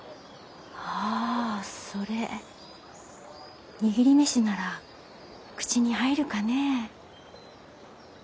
ああそれ握り飯なら口に入るかねえ。